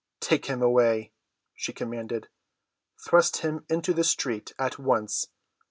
"Take him away," she commanded. "Thrust him into the street—at once.